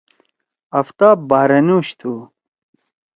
آفتاب بحرینوش تُھو۔